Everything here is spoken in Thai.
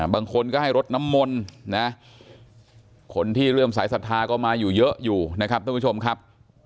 บางคนก็ให้รดน้ำมนต์นะคนที่เริ่มสายศรัทธาก็มาอยู่เยอะอยู่นะครับท่านผู้ชมครับ